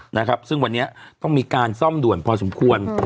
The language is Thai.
นะครับซึ่งวันนี้ต้องมีการซ่อมด่วนพอสมควร